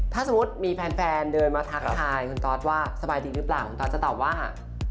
ถ้าสมมุติมีแฟนเดินมาทักทายคุณตอสว่าสบายดีหรือเปล่าคุณตอสจะตอบว่า